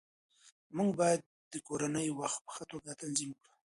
موږ باید د کورنۍ وخت په ښه توګه تنظیم کړو